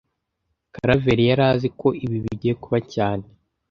Karaveri yari azi ko ibi bigiye kuba cyane